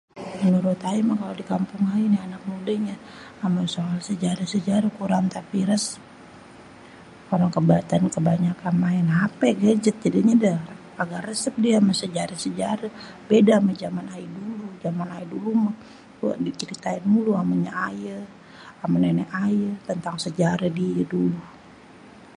Menurut ayé mah kalo di kampung ayé nih anak mudanya ama soal sejare-sejare kurang tapires. Orang kebanyakan maen hapé, gadget, jadinya dah agak resep dia sama sejare-sejare. Beda ama jaman jaman ayé dulu. Jaman ayé dulu mah diceritain mulu ama nyak aye ama nenek aye tentang sejarah di dulu.